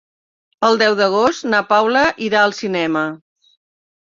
El deu d'agost na Paula irà al cinema.